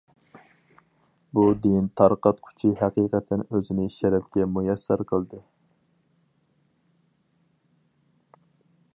بۇ دىن تارقاتقۇچى ھەقىقەتەن ئۆزىنى شەرەپكە مۇيەسسەر قىلدى.